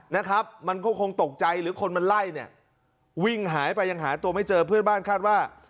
นะครับมันก็คงตกใจหรือคนมันไล่เนี่ยวิ่งหายไปยังหาตัวไม่เจอเพื่อนบ้านคาดว่า